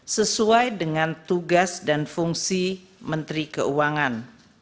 sesuai dengan tugas dan fungsi menteri keuangan